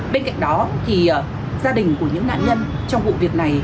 bên cạnh đó gia đình của những nạn nhân trong vụ việc này